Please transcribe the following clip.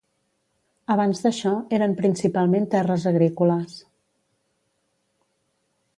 Abans d'això, eren principalment terres agrícoles.